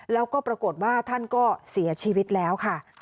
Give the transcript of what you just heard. แล้วก็ปรากฏว่าท่านก็เสียชีวิตแล้วค่ะ